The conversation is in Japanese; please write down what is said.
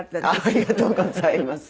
ありがとうございます。